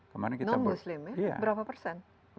non muslim ya berapa persen